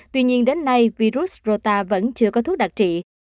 tuy nhiên đến nay virus rota vẫn chưa có thuốc đặc trị